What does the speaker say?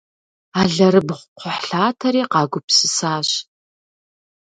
Алэрыбгъу-кхъухьлъатэри къагупсысащ.